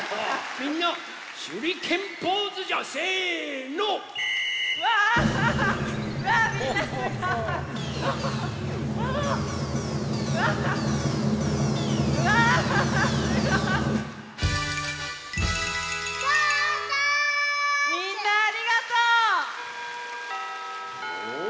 みんなありがとう！